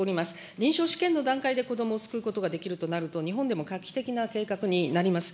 臨床試験の段階で子どもを救うことができるとなると、日本でも画期的な計画になります。